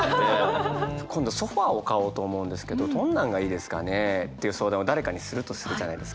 「今度ソファーを買おうと思うんですけどどんなんがいいですかね？」っていう相談を誰かにするとするじゃないですか。